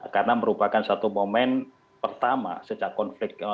karena merupakan satu momen pertama sejak konflik